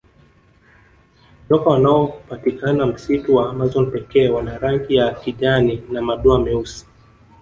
Nyoka wanaopatikana msitu wa amazon pekee wana rangi ya kijani na madoa meusi